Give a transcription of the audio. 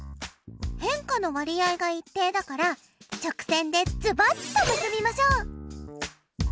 変化の割合が一定だから直線でズバッと結びましょう。